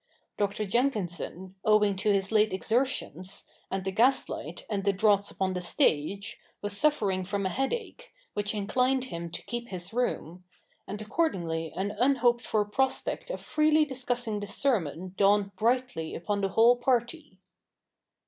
Dr. Jenkinson, owing to his late exertions, and the gas hght, and the draughts upon the stage, was suffering from a headache, which CH. ii] THE NEW REPUBLIC 89 inclined him to keep liis room ; and accordingly an un hoped for prospect of freely discussing the sermon dawned brightly upon the whole party.